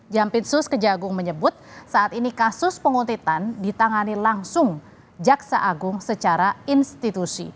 jampitsus kejagung menyebut saat ini kasus penguntitan ditangani langsung jaksa agung secara institusi